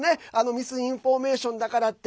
ミスインフォメーションだからって。